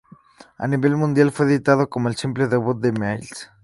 A nivel mundial, fue editado como el simple debut de Myles.